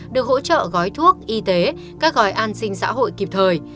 được hỗ trợ gói thuốc y tế các gói an sinh xã hội kịp thời